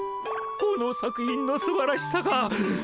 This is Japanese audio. この作品のすばらしさが。